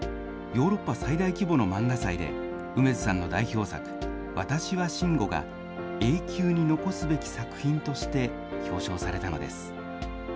ヨーロッパ最大規模の漫画祭で、楳図さんの代表作、わたくしは真悟が、永久に残すべき作品として表彰されたのです。